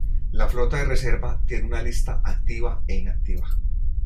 La Flota de Reserva tiene una lista activa e inactiva.